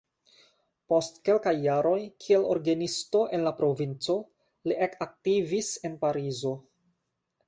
Post kelkaj jaroj kiel orgenisto en la provinco li ekaktivis en Parizo.